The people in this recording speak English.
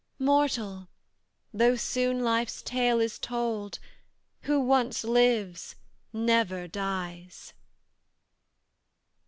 Mortal! though soon life's tale is told; Who once lives, never dies!"